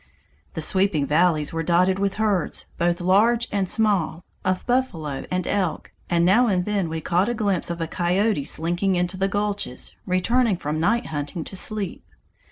"The sweeping valleys were dotted with herds, both large and small, of buffalo and elk, and now and then we caught a glimpse of a coyote slinking into the gulches, returning from night hunting to sleep.